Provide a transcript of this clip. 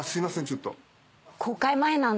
ちょっと。